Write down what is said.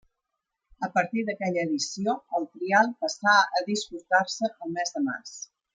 A partir d'aquella edició, el trial passà a disputar-se el mes de març.